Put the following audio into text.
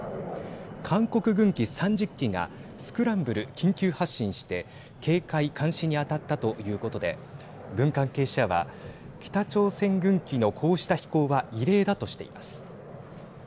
韓国軍機３０機がスクランブル＝緊急発進して警戒、監視に当たったということで軍関係者は北朝鮮軍機のこうした飛行は異例だとしています。